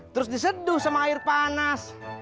terus diseduh sama air panas